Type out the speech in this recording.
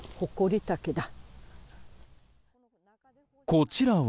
こちらは。